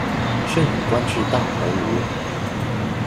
盛允官至大鸿胪。